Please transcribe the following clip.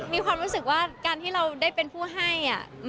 มีความรู้สึกว่าการที่เราได้เป็นผู้ให้